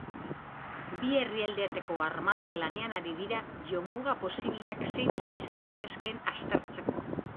Bi herrialdeetako armadak lanean ari dira jomuga posibleak zeintzuk izan daitezkeen aztertzeko.